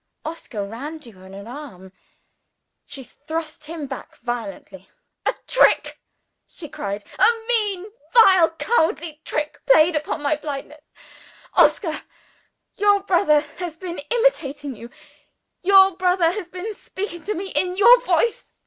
Oscar ran to her in alarm. She thrust him back violently. "A trick!" she cried. "A mean, vile, cowardly trick played upon my blindness! Oscar! your brother has been imitating you; your brother has been speaking to me in your voice.